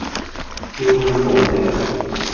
焦香布丁